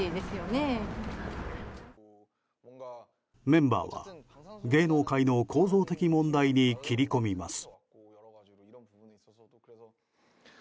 メンバーは芸能界の構造的問題に切り込みます。